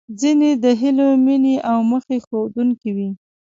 ځينې د هیلو، مينې او موخې ښودونکې وې.